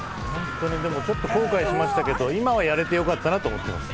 ちょっと後悔しましたけど、今はやれてよかったなと思っています。